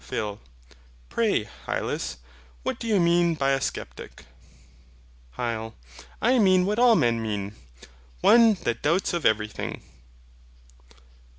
PHIL. Pray, Hylas, what do you mean by a SCEPTIC? HYL. I mean what all men mean one that doubts of everything.